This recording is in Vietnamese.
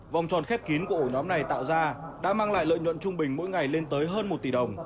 vòng tròn khép kín của ổ nhóm này tạo ra đã mang lại lợi nhuận trung bình mỗi ngày lên tới